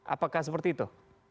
apakah seperti itu